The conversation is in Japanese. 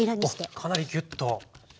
あっかなりギュッと。